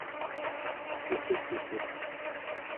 Je sais ce que c'est.